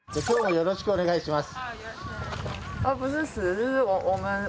よろしくお願いします。